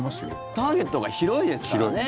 ターゲットが広いですからね。